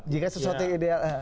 jika sesuatu yang ideal